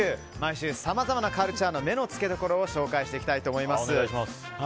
毎週さまざまなカルチャーの目のつけどころを紹介していきたいと思います。